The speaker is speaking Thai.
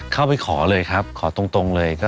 เข้าไปขอเลยครับขอตรงเลย